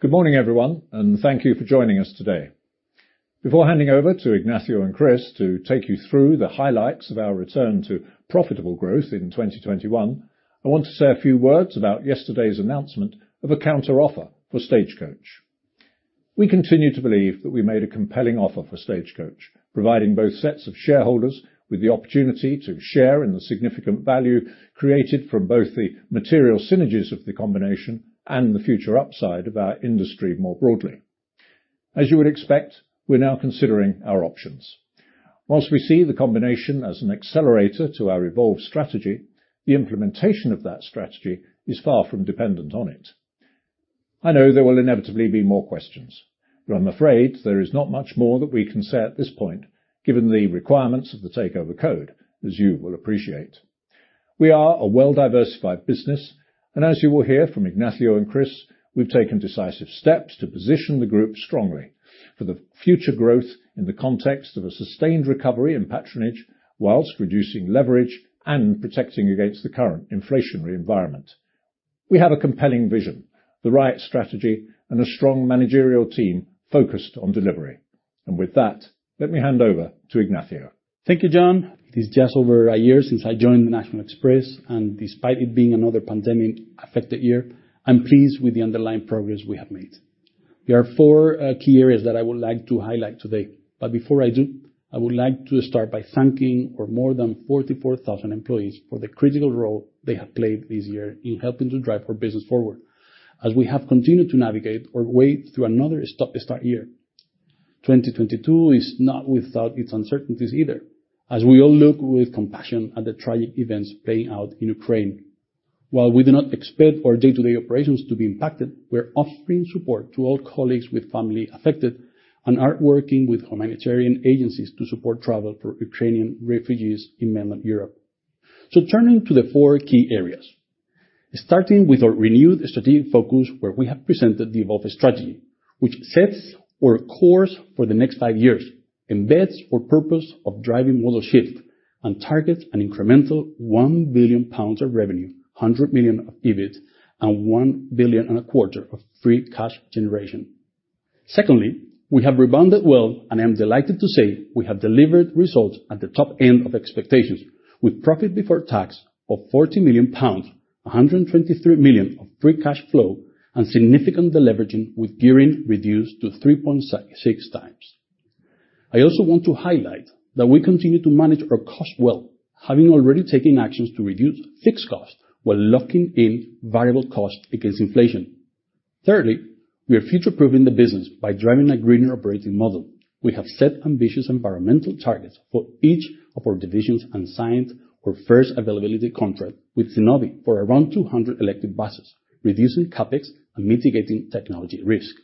Good morning, everyone, and thank you for joining us today. Before handing over to Ignacio and Chris to take you through the highlights of our return to profitable growth in 2021, I want to say a few words about yesterday's announcement of a counteroffer for Stagecoach. We continue to believe that we made a compelling offer for Stagecoach, providing both sets of shareholders with the opportunity to share in the significant value created from both the material synergies of the combination and the future upside of our industry more broadly. As you would expect, we're now considering our options. While we see the combination as an accelerator to our Evolve strategy, the implementation of that strategy is far from dependent on it. I know there will inevitably be more questions, but I'm afraid there is not much more that we can say at this point, given the requirements of the takeover code, as you will appreciate. We are a well-diversified business, and as you will hear from Ignacio and Chris, we've taken decisive steps to position the group strongly for the future growth in the context of a sustained recovery in patronage, whilst reducing leverage and protecting against the current inflationary environment. We have a compelling vision, the right strategy, and a strong managerial team focused on delivery. With that, let me hand over to Ignacio. Thank you, John. It is just over a year since I joined National Express, and despite it being another pandemic-affected year, I'm pleased with the underlying progress we have made. There are four key areas that I would like to highlight today, but before I do, I would like to start by thanking our more than 44,000 employees for the critical role they have played this year in helping to drive our business forward as we have continued to navigate our way through another stop-to-start year. 2022 is not without its uncertainties either, as we all look with compassion at the tragic events playing out in Ukraine. While we do not expect our day-to-day operations to be impacted, we're offering support to all colleagues with family affected and are working with humanitarian agencies to support travel for Ukrainian refugees in mainland Europe. Turning to the four key areas. Starting with our renewed strategic focus where we have presented the Evolve strategy, which sets our course for the next five years, embeds our purpose of driving model shift, and targets an incremental 1 billion pounds of revenue, 100 million of EBIT, and 1.25 billion of free cash generation. Secondly, we have rebounded well, and I am delighted to say we have delivered results at the top end of expectations with profit before tax of 40 million pounds, 123 million of free cash flow, and significant deleveraging with gearing reduced to 3.66x. I also want to highlight that we continue to manage our cost well, having already taken actions to reduce fixed costs while locking in variable costs against inflation. Thirdly, we are future-proofing the business by driving a greener operating model. We have set ambitious environmental targets for each of our divisions and signed our first availability contract with Zenobē for around 200 electric buses, reducing CapEx and mitigating technology risk.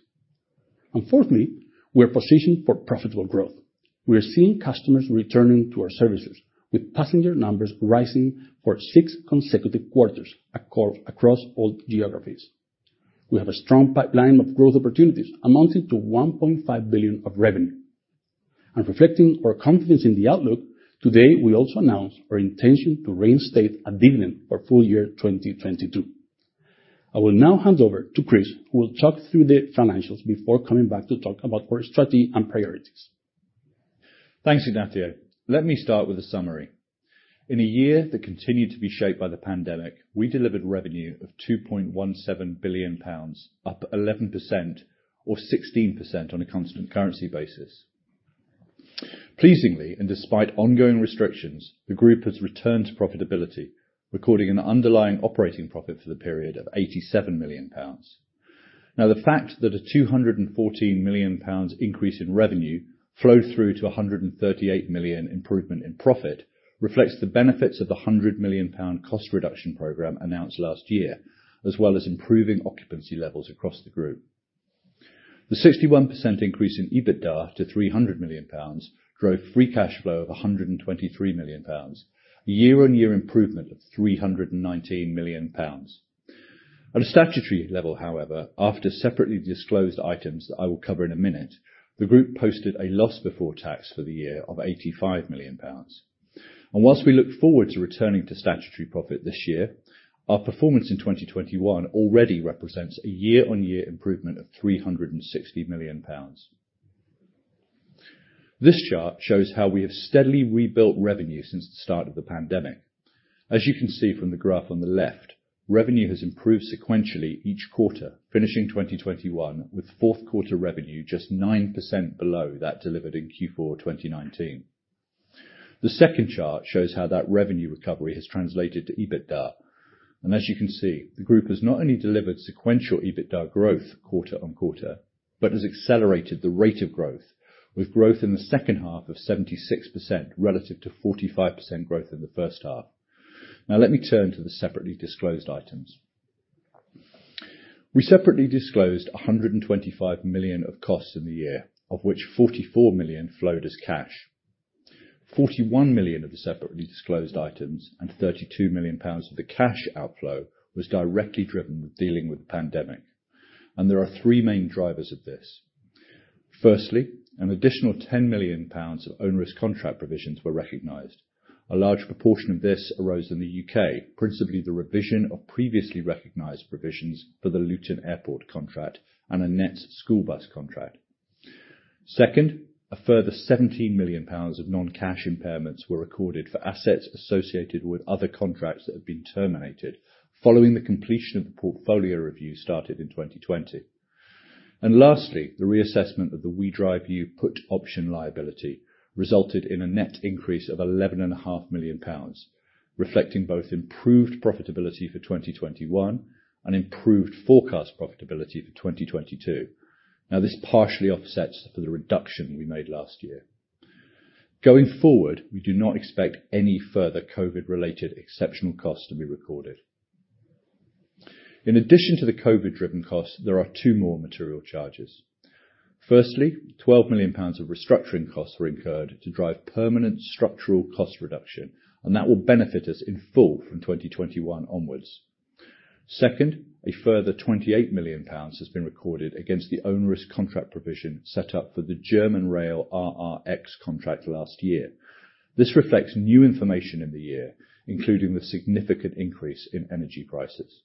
Fourthly, we're positioned for profitable growth. We are seeing customers returning to our services with passenger numbers rising for six consecutive quarters across all geographies. We have a strong pipeline of growth opportunities amounting to 1.5 billion of revenue. Reflecting our confidence in the outlook, today we also announced our intention to reinstate a dividend for full-year 2022. I will now hand over to Chris, who will talk through the financials before coming back to talk about our strategy and priorities. Thanks, Ignacio. Let me start with a summary. In a year that continued to be shaped by the pandemic, we delivered revenue of 2.17 billion pounds, up 11% or 16% on a constant currency basis. Pleasingly, despite ongoing restrictions, the group has returned to profitability, recording an underlying operating profit for the period of 87 million pounds. Now, the fact that a 214 million pounds increase in revenue flowed through to a 138 million improvement in profit reflects the benefits of the 100 million pound cost reduction program announced last year, as well as improving occupancy levels across the group. The 61% increase in EBITDA to 300 million pounds drove free cash flow of 123 million pounds, a year-on-year improvement of 319 million pounds. At a statutory level, however, after separately disclosed items that I will cover in a minute, the group posted a loss before tax for the year of 85 million pounds. Whilst we look forward to returning to statutory profit this year, our performance in 2021 already represents a year-on-year improvement of 360 million pounds. This chart shows how we have steadily rebuilt revenue since the start of the pandemic. As you can see from the graph on the left, revenue has improved sequentially each quarter, finishing 2021 with fourth quarter revenue just 9% below that delivered in Q4 2019. The second chart shows how that revenue recovery has translated to EBITDA. As you can see, the group has not only delivered sequential EBITDA growth quarter-on-quarter, but has accelerated the rate of growth, with growth in the second half of 76% relative to 45% growth in the first half. Now, let me turn to the separately disclosed items. We separately disclosed 125 million of costs in the year, of which 44 million flowed as cash. 41 million of the separately disclosed items and 32 million pounds of the cash outflow was directly driven with dealing with the pandemic. There are three main drivers of this. Firstly, an additional 10 million pounds of onerous contract provisions were recognized. A large proportion of this arose in the U.K., principally the revision of previously recognized provisions for the Luton Airport contract and a net school bus contract. Second, a further GBP 17 million of non-cash impairments were recorded for assets associated with other contracts that have been terminated following the completion of the portfolio review started in 2020. Lastly, the reassessment of the WeDriveU put option liability resulted in a net increase of 11.5 million pounds, reflecting both improved profitability for 2021 and improved forecast profitability for 2022. Now, this partially offsets for the reduction we made last year. Going forward, we do not expect any further COVID related exceptional costs to be recorded. In addition to the COVID driven costs, there are two more material charges. Firstly, 12 million pounds of restructuring costs were incurred to drive permanent structural cost reduction, and that will benefit us in full from 2021 onwards. Second, a further 28 million pounds has been recorded against the onerous contract provision set up for the German Rail RRX contract last year. This reflects new information in the year, including the significant increase in energy prices.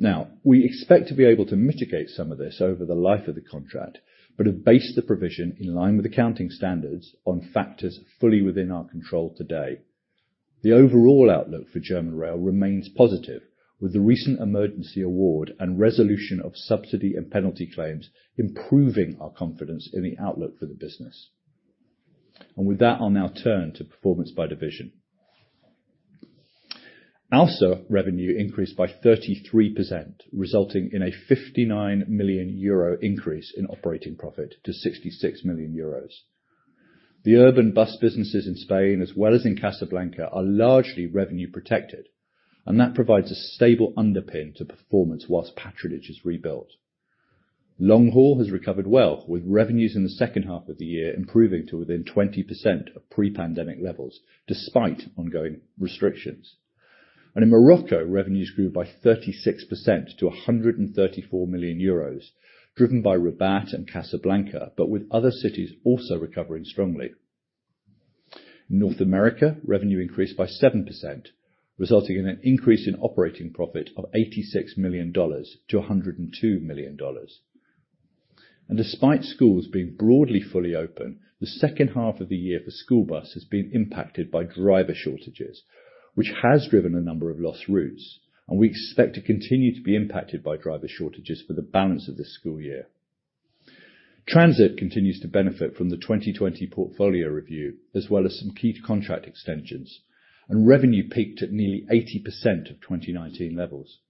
Now, we expect to be able to mitigate some of this over the life of the contract, but have based the provision in line with accounting standards on factors fully within our control today. The overall outlook for German Rail remains positive with the recent emergency award and resolution of subsidy and penalty claims improving our confidence in the outlook for the business. With that, I'll now turn to performance by division. ALSA revenue increased by 33%, resulting in a 59 million euro increase in operating profit to 66 million euros. The urban bus businesses in Spain as well as in Casablanca are largely revenue protected, and that provides a stable underpin to performance while patronage is rebuilt. Long haul has recovered well, with revenues in the second half of the year improving to within 20% of pre-pandemic levels despite ongoing restrictions. In Morocco, revenues grew by 36% to 134 million euros, driven by Rabat and Casablanca, but with other cities also recovering strongly. North America revenue increased by 7%, resulting in an increase in operating profit of $86 million to $102 million. Despite schools being broadly fully open, the second half of the year for school bus has been impacted by driver shortages, which has driven a number of lost routes, and we expect to continue to be impacted by driver shortages for the balance of this school year. Transit continues to benefit from the 2020 portfolio review, as well as some key contract extensions, and revenue peaked at nearly 80% of 2019 levels.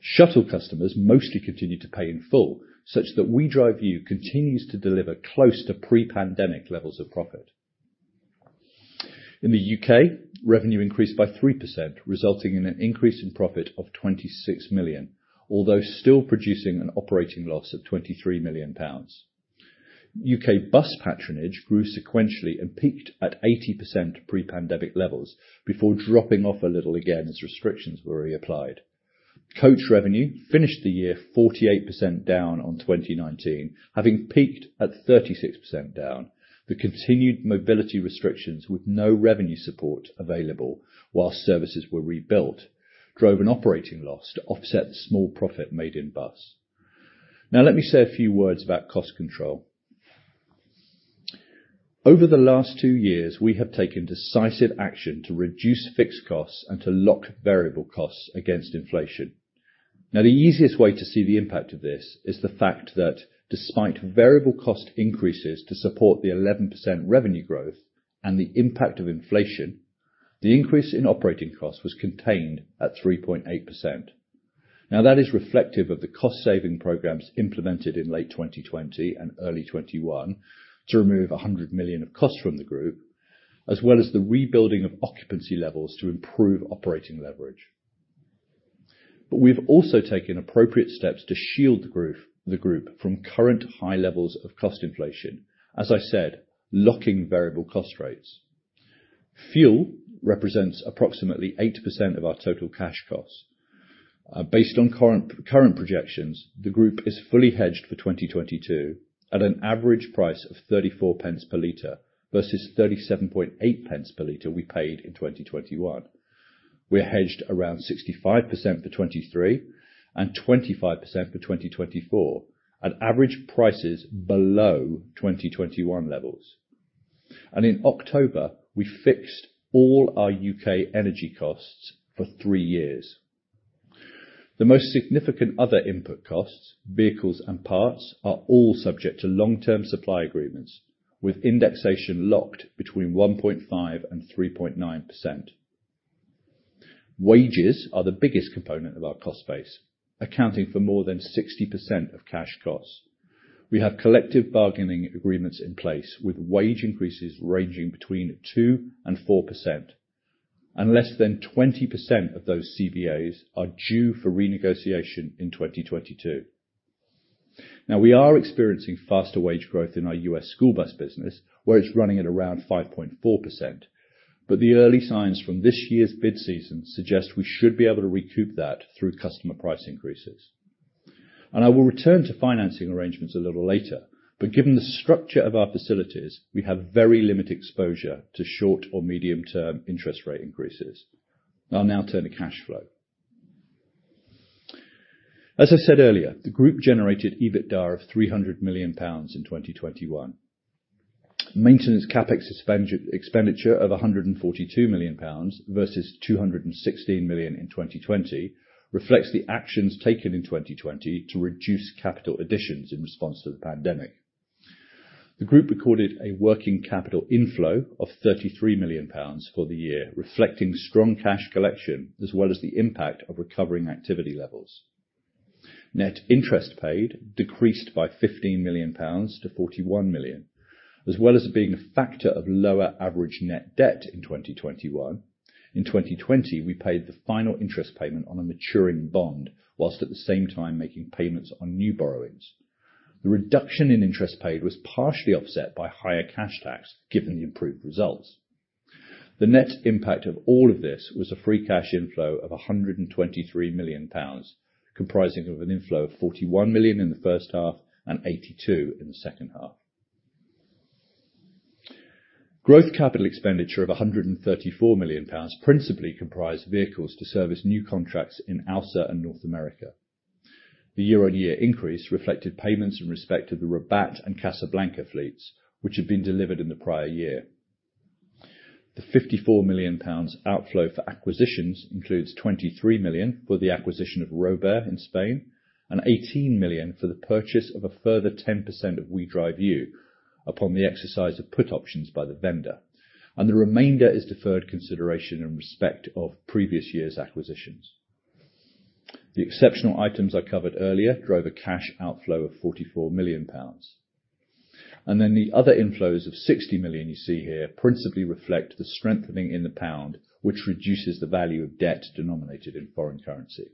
Shuttle customers mostly continued to pay in full, such that WeDriveU continues to deliver close to pre-pandemic levels of profit. In the U.K., revenue increased by 3%, resulting in an increase in profit of 26 million, although still producing an operating loss of 23 million pounds. U.K. bus patronage grew sequentially and peaked at 80% pre-pandemic levels before dropping off a little again as restrictions were reapplied. Coach revenue finished the year 48% down on 2019, having peaked at 36% down. The continued mobility restrictions with no revenue support available while services were rebuilt drove an operating loss to offset the small profit made in bus. Now, let me say a few words about cost control. Over the last two years, we have taken decisive action to reduce fixed costs and to lock variable costs against inflation. Now, the easiest way to see the impact of this is the fact that despite variable cost increases to support the 11% revenue growth and the impact of inflation, the increase in operating costs was contained at 3.8%. That is reflective of the cost-saving programs implemented in late 2020 and early 2021 to remove 100 million of costs from the group, as well as the rebuilding of occupancy levels to improve operating leverage. We've also taken appropriate steps to shield the group from current high levels of cost inflation. As I said, locking variable cost rates. Fuel represents approximately 8% of our total cash costs. Based on current projections, the group is fully hedged for 2022 at an average price of 0.34 per liter versus 0.378 per liter we paid in 2021. We're hedged around 65% for 2023 and 25% for 2024 at average prices below 2021 levels. In October, we fixed all our U.K. energy costs for three years. The most significant other input costs, vehicles and parts, are all subject to long-term supply agreements with indexation locked between 1.5% and 3.9%. Wages are the biggest component of our cost base, accounting for more than 60% of cash costs. We have collective bargaining agreements in place with wage increases ranging between 2% and 4%, and less than 20% of those CBAs are due for renegotiation in 2022. Now, we are experiencing faster wage growth in our U.S. school bus business, where it's running at around 5.4%. But the early signs from this year's bid season suggest we should be able to recoup that through customer price increases. I will return to financing arrangements a little later, but given the structure of our facilities, we have very limited exposure to short or medium-term interest rate increases. I'll now turn to cash flow. As I said earlier, the group generated EBITDA of 300 million pounds in 2021. Maintenance CapEx expenditure of 142 million pounds versus 216 million in 2020 reflects the actions taken in 2020 to reduce capital additions in response to the pandemic. The group recorded a working capital inflow of 33 million pounds for the year, reflecting strong cash collection as well as the impact of recovering activity levels. Net interest paid decreased by 15 million pounds to 41 million. As well as being a factor of lower average net debt in 2021, in 2020, we paid the final interest payment on a maturing bond, while at the same time making payments on new borrowings. The reduction in interest paid was partially offset by higher cash tax, given the improved results. The net impact of all of this was a free cash inflow of 123 million pounds, comprising of an inflow of 41 million in the first half and 82 million in the second half. Growth capital expenditure of 134 million pounds principally comprised vehicles to service new contracts in ALSA and North America. The year-on-year increase reflected payments in respect of the Rabat and Casablanca fleets, which had been delivered in the prior year. The 54 million pounds outflow for acquisitions includes 23 million for the acquisition of Rober in Spain and 18 million for the purchase of a further 10% of WeDriveU upon the exercise of put options by the vendor. The remainder is deferred consideration in respect of previous year's acquisitions. The exceptional items I covered earlier drove a cash outflow of 44 million pounds. The other inflows of 60 million you see here principally reflect the strengthening in the pound, which reduces the value of debt denominated in foreign currency.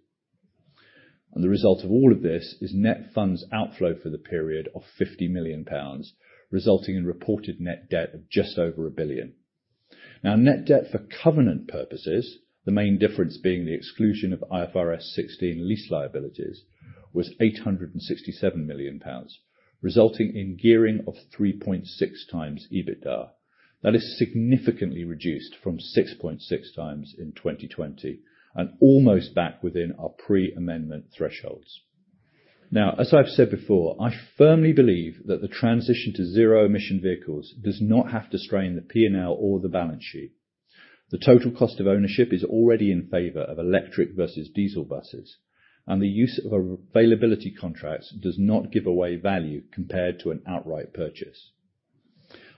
The result of all of this is net funds outflow for the period of 50 million pounds, resulting in reported net debt of just over 1 billion. Now, net debt for covenant purposes, the main difference being the exclusion of IFRS 16 lease liabilities, was 867 million pounds, resulting in gearing of 3.6x EBITDA. That is significantly reduced from 6.6x in 2020 and almost back within our pre-amendment thresholds. Now, as I've said before, I firmly believe that the transition to zero-emission vehicles does not have to strain the P&L or the balance sheet. The total cost of ownership is already in favor of electric versus diesel buses, and the use of availability contracts does not give away value compared to an outright purchase.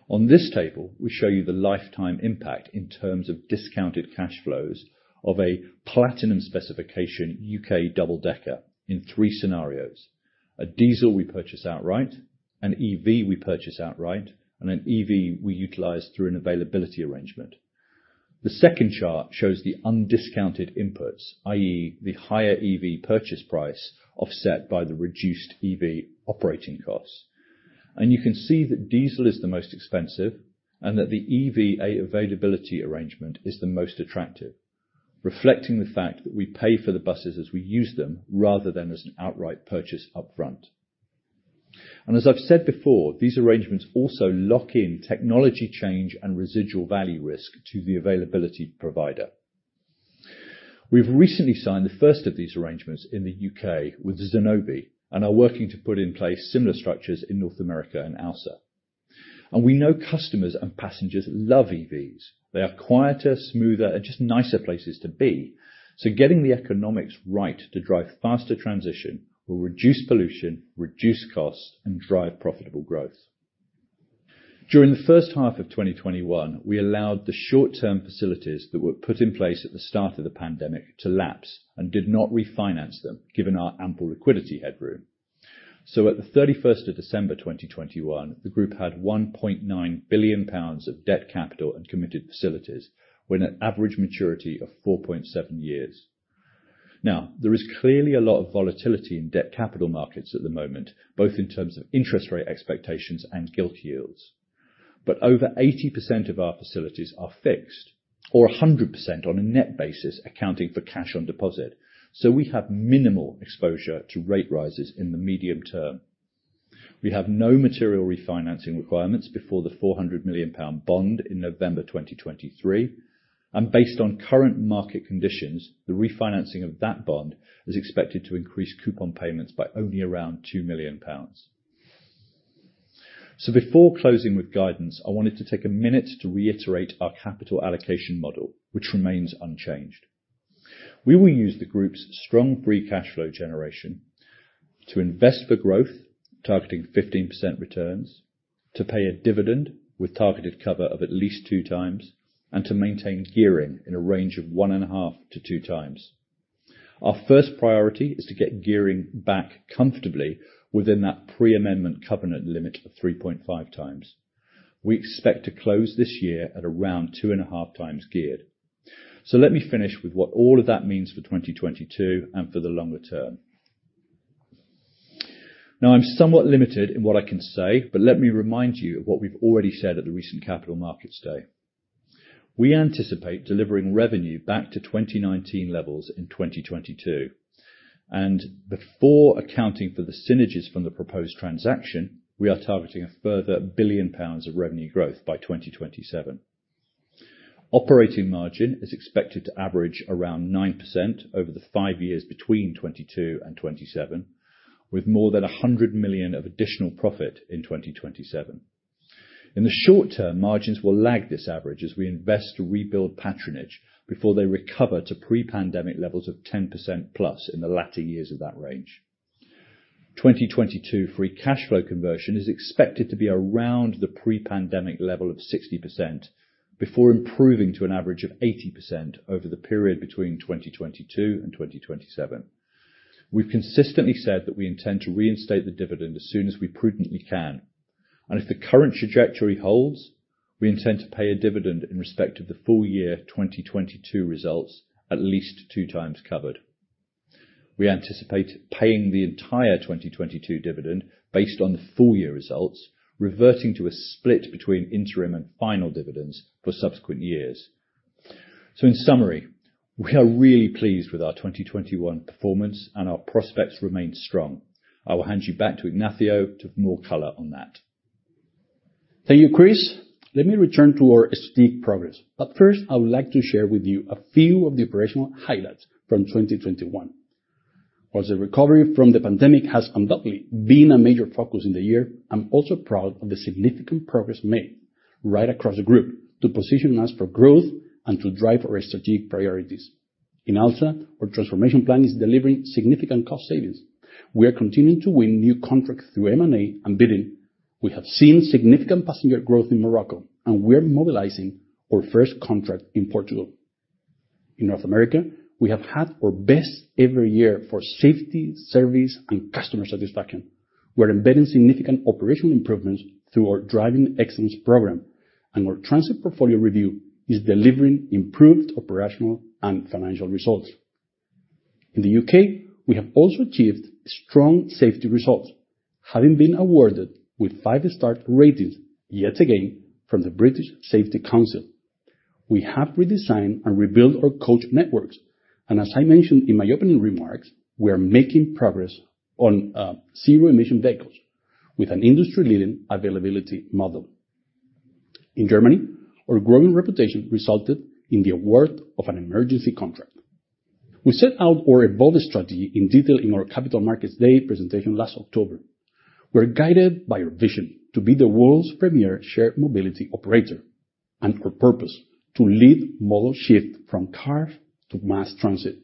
On this table, we show you the lifetime impact in terms of discounted cash flows of a platinum specification U.K. double-decker in three scenarios: a diesel we purchase outright, an EV we purchase outright, and an EV we utilize through an availability arrangement. The second chart shows the undiscounted inputs, i.e., the higher EV purchase price offset by the reduced EV operating costs. You can see that diesel is the most expensive and that the EV availability arrangement is the most attractive, reflecting the fact that we pay for the buses as we use them rather than as an outright purchase upfront. As I've said before, these arrangements also lock in technology change and residual value risk to the availability provider. We've recently signed the first of these arrangements in the U.K. with Zenobē and are working to put in place similar structures in North America and ALSA. We know customers and passengers love EVs. They are quieter, smoother, and just nicer places to be. Getting the economics right to drive faster transition will reduce pollution, reduce costs, and drive profitable growth. During the first half of 2021, we allowed the short-term facilities that were put in place at the start of the pandemic to lapse and did not refinance them, given our ample liquidity headroom. At December 31, 2021, the group had 1.9 billion pounds of net debt and committed facilities with an average maturity of 4.7 years. Now, there is clearly a lot of volatility in debt capital markets at the moment, both in terms of interest rate expectations and gilt yields. Over 80% of our facilities are fixed or 100% on a net basis, accounting for cash on deposit. We have minimal exposure to rate rises in the medium term. We have no material refinancing requirements before the 400 million pound bond in November 2023, and based on current market conditions, the refinancing of that bond is expected to increase coupon payments by only around 2 million pounds. Before closing with guidance, I wanted to take a minute to reiterate our capital allocation model, which remains unchanged. We will use the group's strong free cash flow generation to invest for growth, targeting 15% returns, to pay a dividend with targeted cover of at least 2x, and to maintain gearing in a range of 1.5x-2x. Our first priority is to get gearing back comfortably within that pre-amendment covenant limit of 3.5x. We expect to close this year at around 2.5x geared. Let me finish with what all of that means for 2022 and for the longer term. Now, I'm somewhat limited in what I can say, but let me remind you of what we've already said at the recent Capital Markets Day. We anticipate delivering revenue back to 2019 levels in 2022. Before accounting for the synergies from the proposed transaction, we are targeting a further 1 billion pounds of revenue growth by 2027. Operating margin is expected to average around 9% over the five years between 2022 and 2027, with more than 100 million of additional profit in 2027. In the short term, margins will lag this average as we invest to rebuild patronage before they recover to pre-pandemic levels of 10%+ in the latter years of that range. 2022 free cash flow conversion is expected to be around the pre-pandemic level of 60% before improving to an average of 80% over the period between 2022 and 2027. We've consistently said that we intend to reinstate the dividend as soon as we prudently can, and if the current trajectory holds, we intend to pay a dividend in respect of the full year 2022 results at least two times covered. We anticipate paying the entire 2022 dividend based on the full-year results, reverting to a split between interim and final dividends for subsequent years. In summary, we are really pleased with our 2021 performance and our prospects remain strong. I will hand you back to Ignacio to give more color on that. Thank you, Chris. Let me return to our strategic progress. First, I would like to share with you a few of the operational highlights from 2021. As the recovery from the pandemic has undoubtedly been a major focus in the year, I'm also proud of the significant progress made right across the group to position us for growth and to drive our strategic priorities. In ALSA, our transformation plan is delivering significant cost savings. We are continuing to win new contracts through M&A and bidding. We have seen significant passenger growth in Morocco, and we are mobilizing our first contract in Portugal. In North America, we have had our best-ever year for safety, service, and customer satisfaction. We're embedding significant operational improvements through our Driving Excellence program, and our transit portfolio review is delivering improved operational and financial results. In the U.K., we have also achieved strong safety results, having been awarded with five-star ratings yet again from the British Safety Council. We have redesigned and rebuilt our coach networks. As I mentioned in my opening remarks, we are making progress on zero-emission vehicles with an industry-leading availability model. In Germany, our growing reputation resulted in the award of an emergency contract. We set out our Evolve strategy in detail in our Capital Markets Day presentation last October. We're guided by our vision to be the world's premier shared mobility operator and our purpose to lead modal shift from car to mass transit.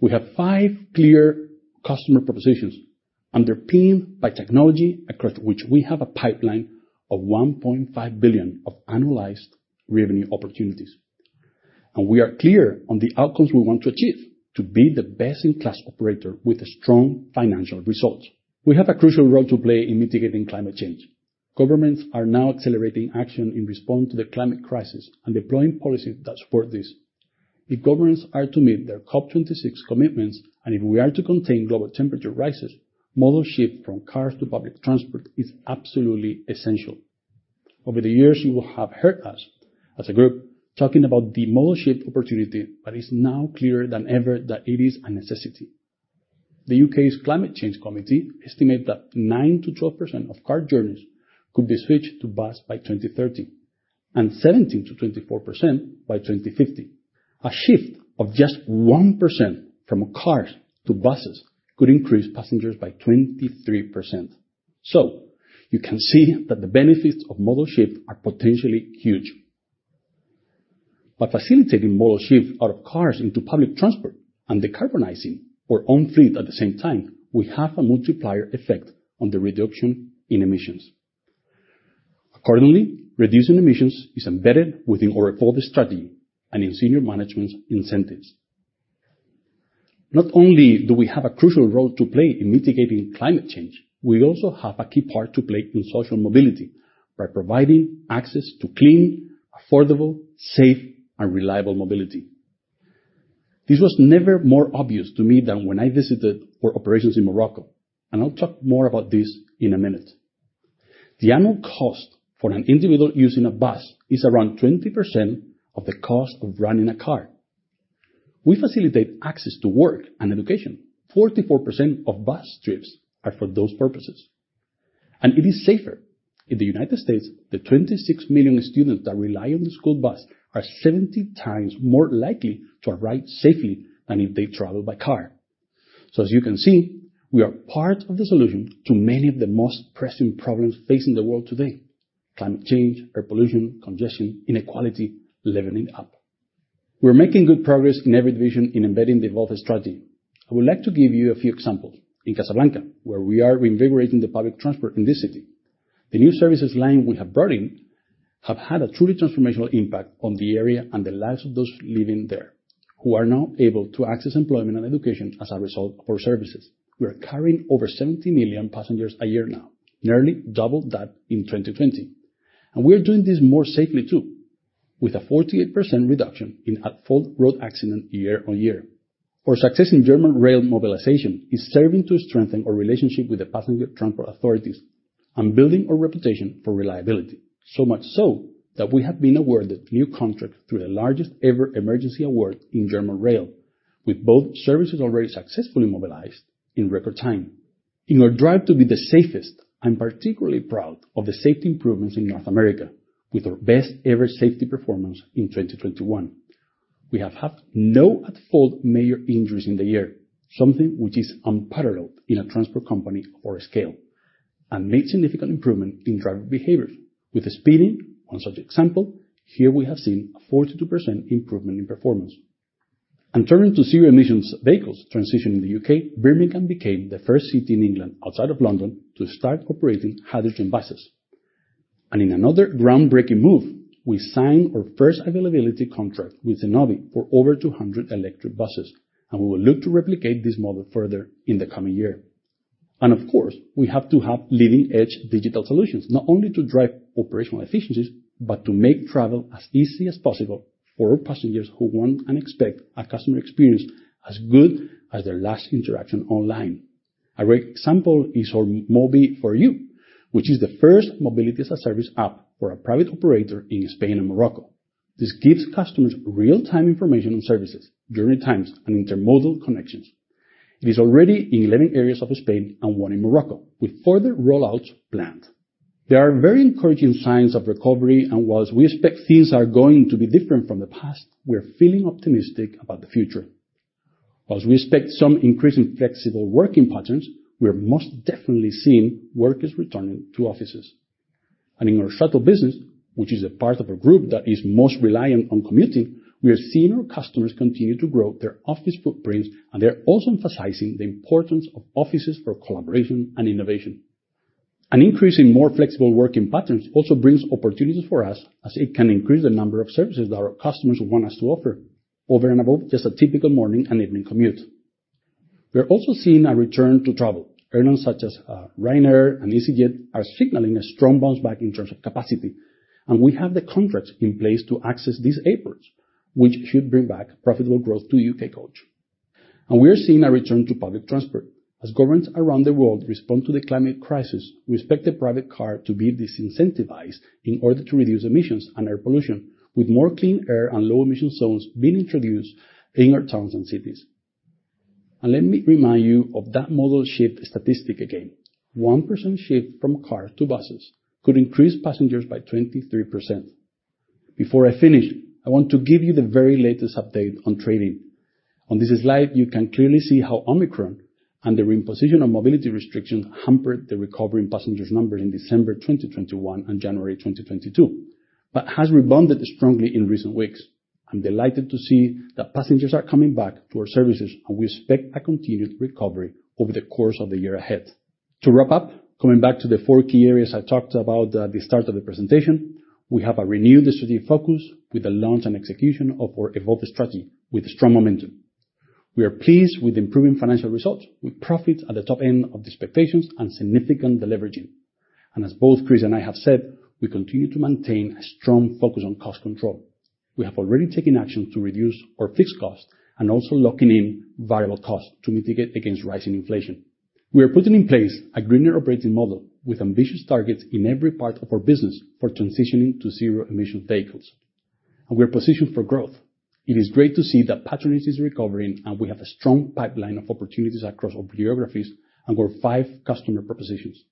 We have five clear customer propositions underpinned by technology across which we have a pipeline of 1.5 billion of analyzed revenue opportunities. We are clear on the outcomes we want to achieve to be the best-in-class operator with strong financial results. We have a crucial role to play in mitigating climate change. Governments are now accelerating action in response to the climate crisis and deploying policies that support this. If governments are to meet their COP26 commitments, and if we are to contain global temperature rises, modal shift from cars to public transport is absolutely essential. Over the years, you will have heard us as a group talking about the modal shift opportunity, but it's now clearer than ever that it is a necessity. The U.K.'s Climate Change Committee estimate that 9%-12% of car journeys could be switched to bus by 2030, and 17%-24% by 2050. A shift of just 1% from cars to buses could increase passengers by 23%. You can see that the benefits of modal shift are potentially huge. By facilitating modal shift out of cars into public transport and decarbonizing our own fleet at the same time, we have a multiplier effect on the reduction in emissions. Accordingly, reducing emissions is embedded within our Evolve strategy and in senior management's incentives. Not only do we have a crucial role to play in mitigating climate change, we also have a key part to play in social mobility by providing access to clean, affordable, safe, and reliable mobility. This was never more obvious to me than when I visited our operations in Morocco, and I'll talk more about this in a minute. The annual cost for an individual using a bus is around 20% of the cost of running a car. We facilitate access to work and education. 44% of bus trips are for those purposes. It is safer. In the United States, the 26 million students that rely on the school bus are 70 times more likely to arrive safely than if they travel by car. As you can see, we are part of the solution to many of the most pressing problems facing the world today, climate change, air pollution, congestion, inequality, leveling up. We're making good progress in every division in embedding the Evolve strategy. I would like to give you a few examples. In Casablanca, where we are reinvigorating the public transport in the city, the new services line we have brought in have had a truly transformational impact on the area and the lives of those living there, who are now able to access employment and education as a result of our services. We are carrying over 70 million passengers a year now, nearly double that in 2020. We are doing this more safely too, with a 48% reduction in at-fault road accident year-on-year. Our success in German Rail mobilization is serving to strengthen our relationship with the passenger transport authorities and building our reputation for reliability. So much so that we have been awarded new contract through the largest ever emergency award in German Rail, with both services already successfully mobilized in record time. In our drive to be the safest, I'm particularly proud of the safety improvements in North America with our best-ever safety performance in 2021. We have had no at-fault major injuries in the year, something which is unparalleled in a transport company of our scale and made significant improvement in driver behaviors, with speeding, one such example. Here we have seen a 42% improvement in performance. Turning to zero-emissions vehicles transition in the U.K., Birmingham became the first city in England outside of London to start operating hydrogen buses. In another groundbreaking move, we signed our first availability contract with Zenobē for over 200 electric buses, and we will look to replicate this model further in the coming year. Of course, we have to have leading-edge digital solutions, not only to drive operational efficiencies, but to make travel as easy as possible for our passengers who want and expect a customer experience as good as their last interaction online. A great example is our Mobi4U, which is the first mobility-as-a-service app for a private operator in Spain and Morocco. This gives customers real-time information on service durations, times and intermodal connections. It is already in 11 areas of Spain and one in Morocco with further rollouts planned. There are very encouraging signs of recovery, and whilst we expect things are going to be different from the past, we're feeling optimistic about the future. Whilst we expect some increase in flexible working patterns, we are most definitely seeing workers returning to offices. In our shuttle business, which is a part of a group that is most reliant on commuting, we are seeing our customers continue to grow their office footprints and they're also emphasizing the importance of offices for collaboration and innovation. An increase in more flexible working patterns also brings opportunities for us as it can increase the number of services that our customers want us to offer over and above just a typical morning and evening commute. We are also seeing a return to travel. Airlines such as Ryanair and easyJet are signaling a strong bounce back in terms of capacity, and we have the contracts in place to access these airports, which should bring back profitable growth to UK Coach. We are seeing a return to public transport. As governments around the world respond to the climate crisis, we expect the private car to be disincentivized in order to reduce emissions and air pollution with more clean air and low emission zones being introduced in our towns and cities. Let me remind you of that modal shift statistic again. One person shift from cars to buses could increase passengers by 23%. Before I finish, I want to give you the very latest update on trading. On this slide, you can clearly see how Omicron and the imposition of mobility restrictions hampered the recovery in passenger numbers in December 2021 and January 2022, but has rebounded strongly in recent weeks. I'm delighted to see that passengers are coming back to our services, and we expect a continued recovery over the course of the year ahead. To wrap up, coming back to the four key areas I talked about at the start of the presentation, we have a renewed strategic focus with the launch and execution of our Evolve strategy with strong momentum. We are pleased with improving financial results, with profits at the top end of the expectations and significant deleveraging. As both Chris and I have said, we continue to maintain a strong focus on cost control. We have already taken action to reduce our fixed cost and also locking in variable costs to mitigate against rising inflation. We are putting in place a greener operating model with ambitious targets in every part of our business for transitioning to zero-emission vehicles. We are positioned for growth. It is great to see that patronage is recovering, and we have a strong pipeline of opportunities across our geographies and our five customer propositions.